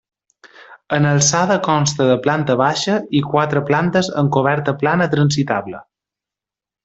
En alçada consta de planta baixa i quatre plantes amb coberta plana transitable.